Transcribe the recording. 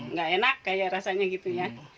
nggak enak kayak rasanya gitu ya